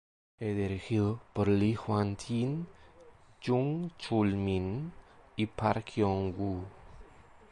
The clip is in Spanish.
Es dirigido por Lee Hwan-jin, Jung Chul-min y Park Yong-woo.